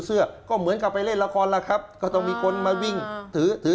เสื้อก็เหมือนกับไปเล่นละครล่ะครับก็ต้องมีคนมาวิ่งถือถือ